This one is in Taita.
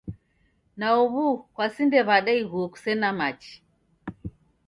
Na u'wu kwasinde w'ada iguo kusena machi?